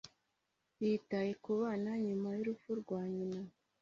yitaye ku bana nyuma y'urupfu rwa nyina